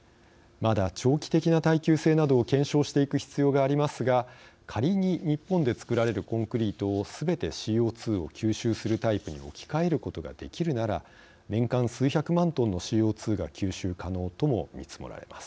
まだ長期的な耐久性などを検証していく必要がありますが仮に日本で作られるコンクリートをすべてＣＯ２を吸収するタイプに置き換えることができるなら年間数百万トンのＣＯ２が吸収可能とも見積もられます。